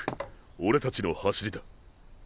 俺たちの走りだ。